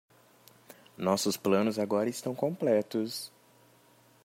Nossos planos agora estão completos.